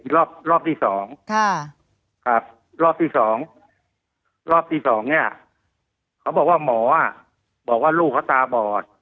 จากหมอนัฐที่โรงพยาบาลนะครับ